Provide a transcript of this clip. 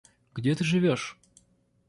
Где ты живёшь?